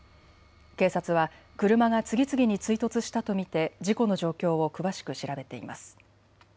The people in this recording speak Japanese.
警察は車が次々に追突したと見て事故の状況を詳しく調べています。